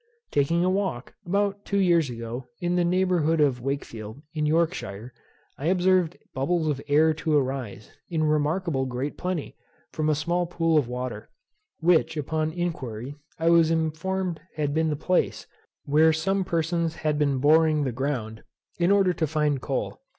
Taking a walk, about two years ago, in the neighbourhood of Wakefield, in Yorkshire, I observed bubbles of air to arise, in remarkably great plenty, from a small pool of water, which, upon inquiry, I was informed had been the place, where some persons had been boring the ground, in order to find coal.